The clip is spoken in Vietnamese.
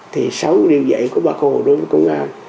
thì sáu điều dạy của bác hồ đối với công an